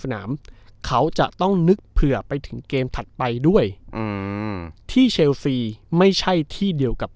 สนามเขาจะต้องนึกเผื่อไปถึงเกมถัดไปด้วยอืมที่เชลซีไม่ใช่ที่เดียวกับ